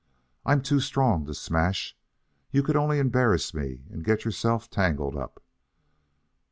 I'm too strong to smash. You could only embarrass me and get yourself tangled up.